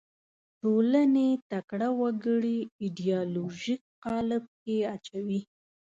ټولنې تکړه وګړي ایدیالوژیک قالب کې واچوي